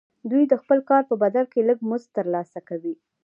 دوی د خپل کار په بدل کې لږ مزد ترلاسه کوي